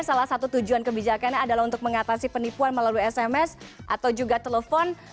salah satu tujuan kebijakannya adalah untuk mengatasi penipuan melalui sms atau juga telepon